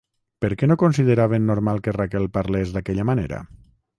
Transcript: Per què no consideraven normal que Raquel parlés d'aquella manera?